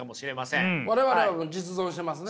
我々は実存してますね？